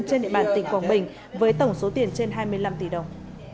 trên địa bàn tỉnh quảng bình với tổng số tiền trên hai mươi năm tỷ đồng